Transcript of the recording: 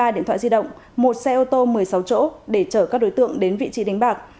ba điện thoại di động một xe ô tô một mươi sáu chỗ để chở các đối tượng đến vị trí đánh bạc